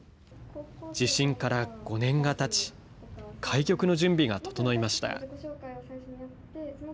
地震から５年がたち、開局の準備が整いました。